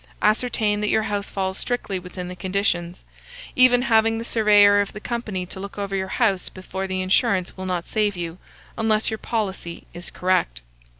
Ascertain that your house falls strictly within the conditions. Even having the surveyor of the company to look over your house before the insurance will not save you, unless your policy is correct."